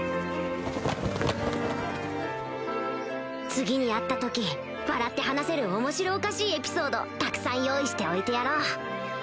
次に会った時笑って話せる面白おかしいエピソードをたくさん用意しておいてやろう